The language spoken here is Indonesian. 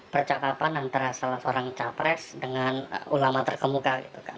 percakapan antara salah seorang capres dengan ulama terkemuka